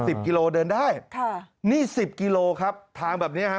กิโลเดินได้ค่ะนี่สิบกิโลครับทางแบบเนี้ยฮะ